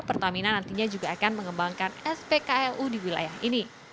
pertamina nantinya juga akan mengembangkan spklu di wilayah ini